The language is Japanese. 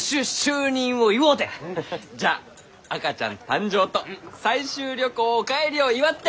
じゃあ赤ちゃん誕生と採集旅行お帰りを祝って！